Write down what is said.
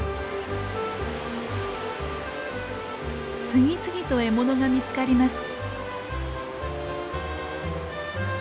次々と獲物が見つかります。